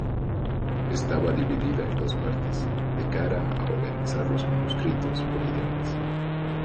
Estaba dividida en dos partes, de cara a organizar los manuscritos por idiomas.